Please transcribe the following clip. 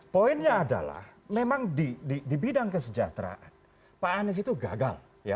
poinnya adalah memang di bidang kesejahteraan pak anies itu gagal